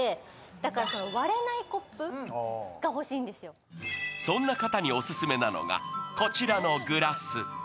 そこでそんな方にオススメなのがこちらのグラス。